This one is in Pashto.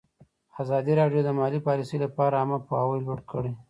ازادي راډیو د مالي پالیسي لپاره عامه پوهاوي لوړ کړی.